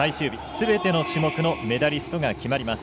すべての種目のメダリストが決まります。